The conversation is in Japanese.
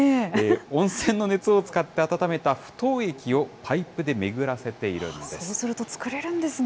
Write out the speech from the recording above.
温泉の熱を使って温めた不凍液をパイプで巡らせているんです。